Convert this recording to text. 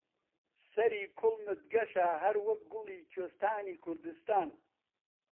سەری کوڵمت گەشە هەروەک گوڵی کوێستانی کوردستان